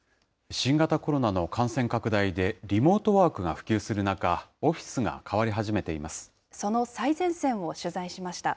新型コロナの感染拡大でリモートワークが普及する中、オフィその最前線を取材しました。